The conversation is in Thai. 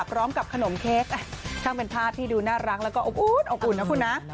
พร้อมกับขนมเค้กช่างเป็นภาพที่ดูน่ารักแล้วก็อบอุ่นอบอุ่นนะคุณนะ